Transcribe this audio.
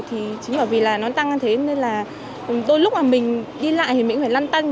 thì chính bởi vì là nó tăng như thế nên là đôi lúc mà mình đi lại thì mình cũng phải lăn tăng